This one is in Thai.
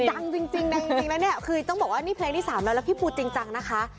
ดังจริงและนี่คือต้องบอกว่าเพลงนี้๓แล้วแล้วพี่ปูจริงนะคะ